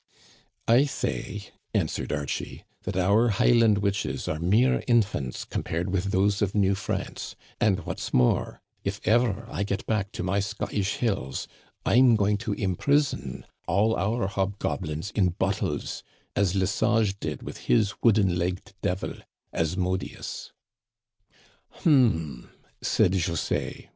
" I say," answered Archie, " that our Highland witches are mere infants compared with those of New France, and, what's more, if ever I get back to my Scot tish hills, I'm going to imprison all our hobgoblins in bottles, as Le Sage did with his wooden legged devil, Asmodeus." " Hum m m !" said José.